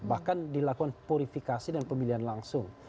bahkan dilakukan purifikasi dan pemilihan langsung